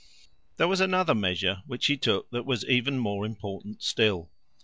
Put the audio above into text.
There was another measure which he took that was even more important still.